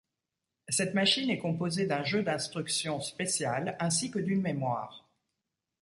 Cette machine est composée d'un jeu d'instructions spécial ainsi que d'une mémoire.